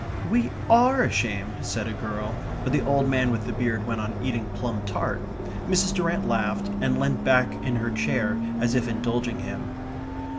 "We ARE ashamed," said a girl. But the old man with the beard went on eating plum tart. Mrs. Durrant laughed and leant back in her chair, as if indulging him.